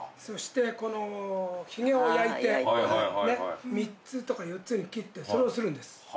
そしてこのヒゲを焼いて３つとか４つに切ってそれをするんです。